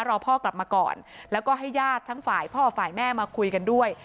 รอพ่อกลับมาก่อนแล้วก็ให้ญาติทั้งฝ่ายพ่อฝ่ายแม่มาคุยกันด้วย